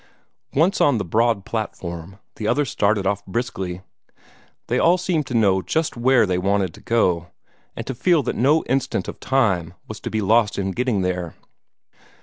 Once on the broad platform, the others started off briskly; they all seemed to know just where they wanted to go, and to feel that no instant of time was to be lost in getting there.